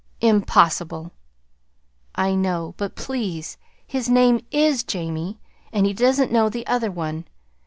"Impossible!" "I know; but, please, his name IS Jamie, and he doesn't know the other one.